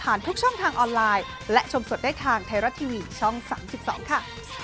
อันนี้สบายใจเอาเนอะ